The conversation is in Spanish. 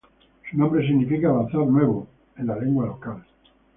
Su nombre significa "bazar nuevo" en la lengua local.